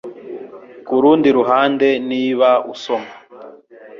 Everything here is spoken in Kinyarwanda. Kurundi ruhande niba usoma